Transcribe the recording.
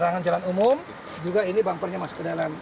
larangan jalan umum juga ini bumpernya masuk ke dalam